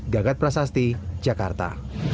gagat prasasti jakarta